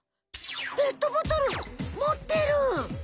ペットボトルもってる！